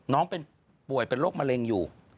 น้องเป็นป่วยเป็นโรคมะเร็งอยู่